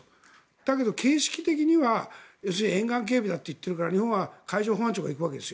だけど形式的には沿岸警備だと言っているから日本は海上保安庁が行くんです。